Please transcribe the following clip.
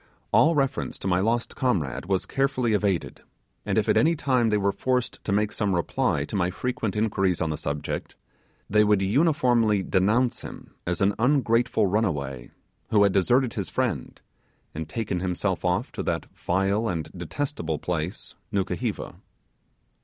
All reference to my lost comrade was carefully evaded, and if at any time they were forced to make some reply to my frequent inquiries on the subject, they would uniformly denounce him as an ungrateful runaway, who had deserted his friend, and taken himself off to that vile and detestable place Nukuheva.